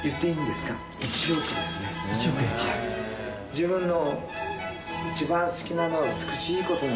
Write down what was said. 自分の。